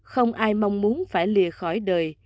không ai mong muốn phải lìa khỏi đời